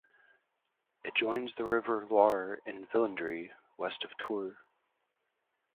It joins the river Loire in Villandry, west of Tours.